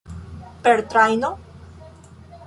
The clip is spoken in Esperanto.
Per trajno?